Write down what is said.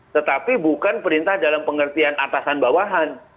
tetapi bukan perintah dalam pengertian atasan bawahan